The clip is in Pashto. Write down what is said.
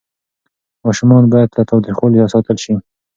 ماشومان باید له تاوتریخوالي ساتل سي.